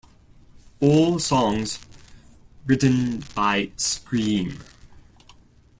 All songs written by Scream.